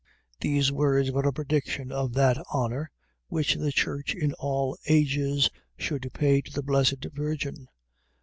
. .These words are a prediction of that honour which the church in all ages should pay to the Blessed Virgin.